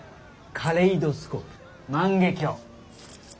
カレイドスコープ万華鏡。